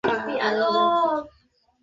তিনি তার মায়ের একমাত্র সন্তান ছিলেন।